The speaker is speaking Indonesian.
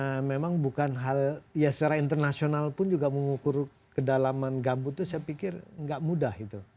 nah memang bukan hal ya secara internasional pun juga mengukur kedalaman gambut itu saya pikir nggak mudah itu